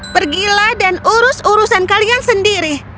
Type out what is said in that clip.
pergilah dan urus urusan kalian sendiri